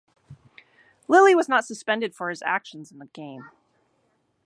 Lilly was not suspended for his actions in the game.